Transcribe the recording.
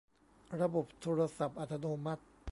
ระบบโทรศัพท์อัตโนมัติ